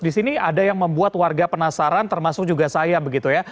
di sini ada yang membuat warga penasaran termasuk juga saya begitu ya